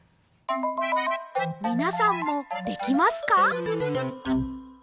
みなさんもできますか？